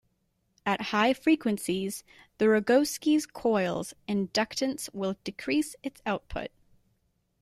At high frequencies, the Rogowski coil's inductance will decrease its output.